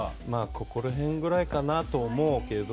ここら辺ぐらいかなと思うけど。